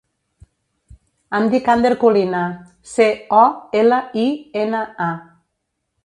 Em dic Ander Colina: ce, o, ela, i, ena, a.